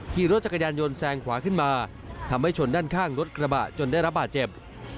ขี่รถจักรยานยนต์แซงขวาขึ้นมาทำให้ชนด้านข้างรถกระบะจนได้รับบาดเจ็บ